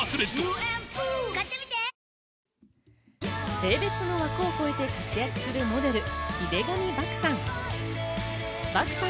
性別の枠を越えて活躍するモデル・井手上漠さん。